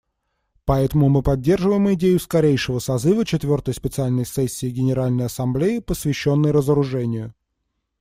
Поэтому мы поддерживаем идею скорейшего созыва четвертой специальной сессии Генеральной Ассамблеи, посвященной разоружению.